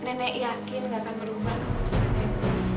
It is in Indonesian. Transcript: nenek yakin nggak akan merubah keputusan nek